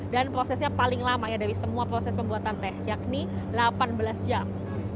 dan prosesnya paling lama dari semua proses pembuatan teh yakni delapan belas jam